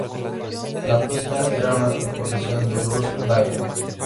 La pista era una composición de Russ Ballard.